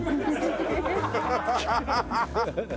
ハハハハ！